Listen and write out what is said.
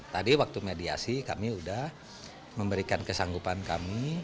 tadi waktu mediasi kami sudah memberikan kesanggupan kami